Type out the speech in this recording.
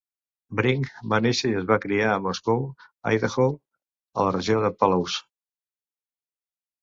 Brink va néixer i es va criar a Moscow, Idaho, a la regió de Palouse.